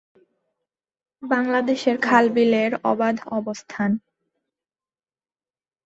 বাংলাদেশের খাল বিলে এর অবাধ অবস্থান।